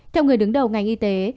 theo người đứng đầu ngành y tế